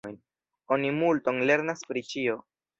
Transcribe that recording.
Oni multon lernas pri ĉio.